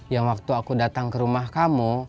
yang waktu aku datang ke rumah kamu